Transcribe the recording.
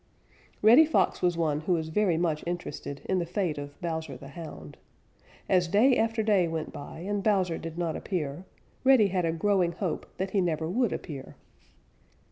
Reddy Fox was one who was very much interested in the fate of Bowser the Hound. As day after day went by and Bowser did not appear, Reddy had a growing hope that he never would appear.